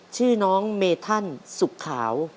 ชื่อน้องเมธันสุขขาว